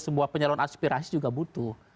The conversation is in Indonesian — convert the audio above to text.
sebuah penyaluran aspirasi juga butuh